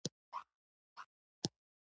خلک يې مينه ناک دي.